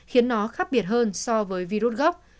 khiến nó khác biệt hơn so với virus gốc